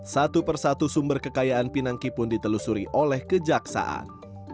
satu persatu sumber kekayaan pinangki pun ditelusuri oleh kejaksaan